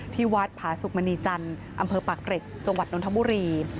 ที่วัดพศุกร์มณีจันทร์อำเภอปะเกร็ดจนทบุรี